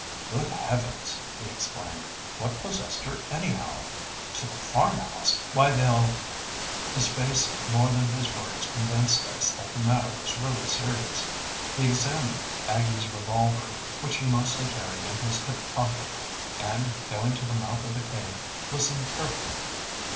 "Good heavens!" he exclaimed. "What possessed her anyhow? To the farmhouse! Why, they'll " His face more than his words convinced us that the matter was really serious. He examined Aggie's revolver, which he mostly carried in his hip pocket, and, going to the mouth of the cave, listened carefully.